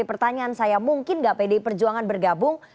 pertanyaan saya mungkin gak pede perjuangan bergabung